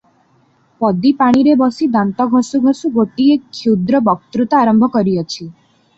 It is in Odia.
ପଦୀ ପାଣିରେ ବସି ଦାନ୍ତ ଘଷୁ ଘଷୁ ଗୋଟିଏ କ୍ଷୁଦ୍ର ବକ୍ତୃତା ଆରମ୍ଭ କରିଅଛି ।